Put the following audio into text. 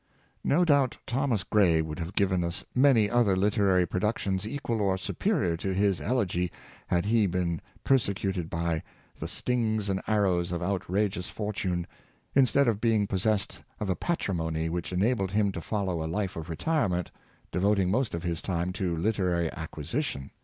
'" No doubt Thomas Gray would have given us many other literary productions equal or superior to his " Elegy " had he been persecuted by " the stings and arrows of an outrageous fortune," instead of being pos sessed of a patrimony which enabled him to follow a life of retirement, devoting most of his time to literary acquisition.